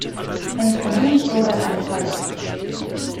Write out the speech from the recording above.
Im Kamin lodert ein Feuer.